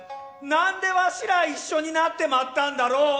なんで儂ら一緒になってまったんだろ！